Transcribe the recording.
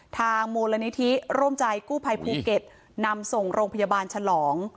ทางมูลนิธิร่วมใจกู้ภัยภูเก็ตนำส่งโรงพยาบาลฉลอง